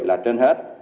là trên hết